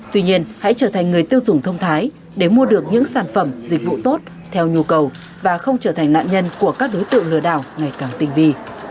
tuy nhiên hãy trở thành người tiêu dùng thông thái để mua được những sản phẩm dịch vụ tốt theo nhu cầu và không trở thành nạn nhân của các đối tượng lừa đảo ngày càng tinh vi